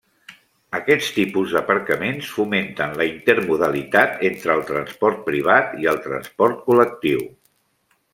Aquest tipus d'aparcaments fomenten la intermodalitat entre el transport privat i el transport col·lectiu.